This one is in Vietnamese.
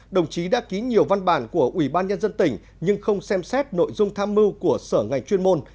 đồng chí đã ký nhiều văn bản của ubnd nhưng không xem xét nội dung tham mưu của sở ngành chuyên môn